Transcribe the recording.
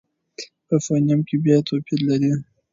په فونېم کې بیا توپیر لري.